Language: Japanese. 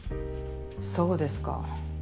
そうですか。